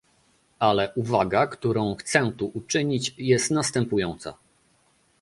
Ale uwaga, którą chcę tu uczynić, jest następująca